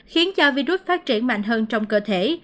khiến cho virus phát triển mạnh hơn trong cơ thể